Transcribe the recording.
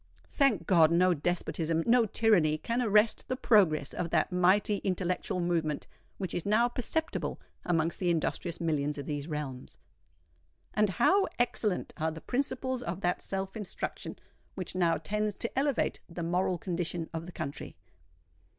Thank God, no despotism—no tyranny can arrest the progress of that mighty intellectual movement which is now perceptible amongst the industrious millions of these realms. And how excellent are the principles of that self instruction which now tends to elevate the moral condition of the country.